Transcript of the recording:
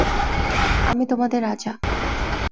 আমি তোমাদের রাজা।